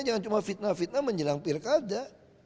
jangan cuma fitnah fitnah menjelang pilkada